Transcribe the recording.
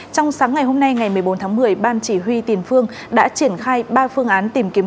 trong sáng ngày hôm nay ngày một mươi bốn tháng một mươi ban chỉ huy tiền phương đã triển khai ba phương án tìm kiếm